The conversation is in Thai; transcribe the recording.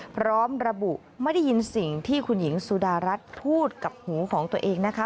พร้อมระบุไม่ได้ยินสิ่งที่คุณหญิงสุดารัฐพูดกับหูของตัวเองนะคะ